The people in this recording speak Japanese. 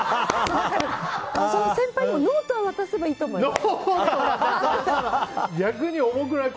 その先輩にもノートを渡せばいいと思います。